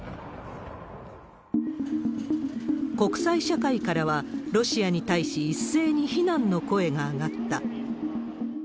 国際社会からは、ロシアに対し一斉に非難の声が上がった。